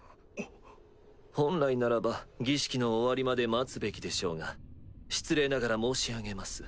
本来ならば儀式の終わりまで待つべきでしょうが失礼ながら申し上げます。